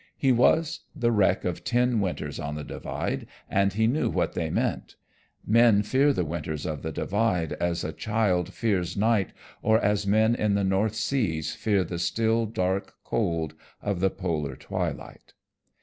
He was the wreck of ten winters on the Divide and he knew what they meant. Men fear the winters of the Divide as a child fears night or as men in the North Seas fear the still dark cold of the polar twilight.